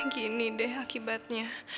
gini deh akibatnya